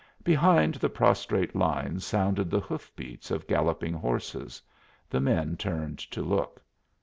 Behind the prostrate lines sounded the hoofbeats of galloping horses; the men turned to look.